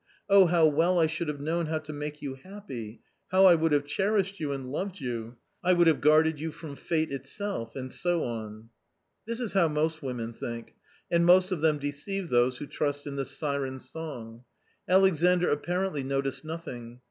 Oh, how well I should have known how to make you happy ; how I would have cherished you and loved you. I would have guarded you from fate itself— and so on." This is how most women think, and most of them deceive those who trust in this siren's song. Alexandr apparently noticed nothing.